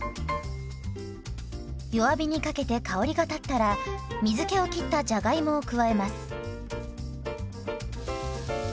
弱火にかけて香りが立ったら水けをきったじゃがいもを加えます。